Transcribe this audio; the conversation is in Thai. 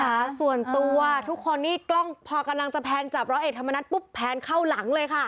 ค่ะส่วนตัวทุกคนนี่กล้องพอกำลังจะแพนจับร้อยเอกธรรมนัฐปุ๊บแพนเข้าหลังเลยค่ะ